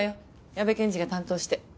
矢部検事が担当して。